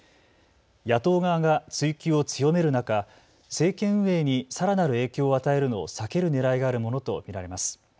野党側が追及を強める中、政権運営にさらなる影響を与えるのを避けるねらいがあるものと見られます。